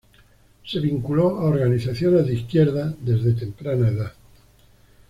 Se vinculó a organizaciones de izquierda desde temprana edad.